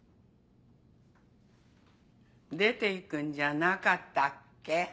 出て行くんじゃなかったっけ？